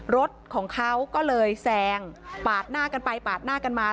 รถของเขาก็เลยแซงปาดหน้ากันไปปาดหน้ากันมา